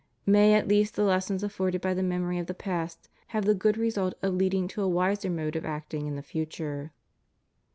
May at least the lessons afforded by the memory of the past have the good result of leading to a wiser mode of acting in the future.